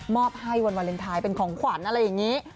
อบให้วันวาเลนไทยเป็นของขวัญอะไรอย่างนี้